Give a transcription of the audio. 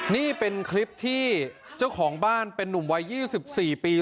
นี่เป็นคลิปที่เจ้าของบ้านเป็นนุ่มวัย๒๔ปี